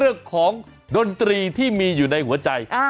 เรื่องของดนตรีที่มีอยู่ในหัวใจ